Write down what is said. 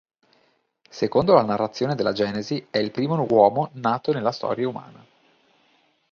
Secondo la narrazione della "Genesi" è il primo uomo nato nella storia umana.